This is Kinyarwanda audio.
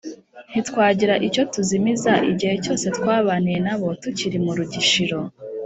ntitwagira icyo tuzimiza igihe cyose twabaniye na bo tukiri mu rugishiro.